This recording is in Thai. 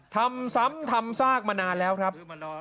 ทำซ้ำทำซากมานานแล้วครับ